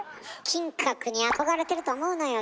金閣に憧れてると思うのよ